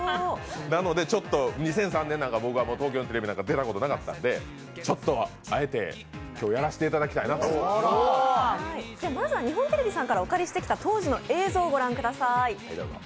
なので、２００３年なんか僕は東京のテレビは出たことなかったのでちょっとあえて今日やらせていただきたいなと。まずは日本テレビさんからお借りしてきた、当時の映像をご覧ください。